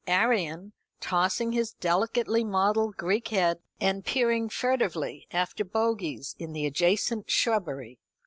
Arion, tossing his delicately modelled Greek head, and peering furtively after bogies in the adjacent shrubbery.